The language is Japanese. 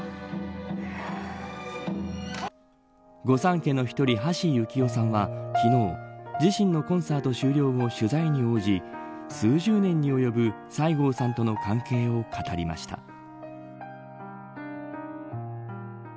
御三家の１人、橋幸夫さんは昨日、自身のコンサート終了後取材に応じ数十年に及ぶ西郷さんとの関係を語りました。